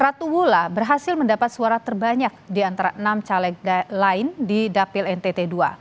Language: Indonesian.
ratu wullah berhasil mendapat suara terbanyak di antara enam caleg lain di dapil ntt ii